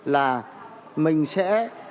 là mình sẽ